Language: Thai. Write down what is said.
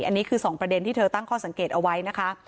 อันนี้คือ๒ประเด็นที่เธอตั้งข้อสังเกตเอาไว้นะคะ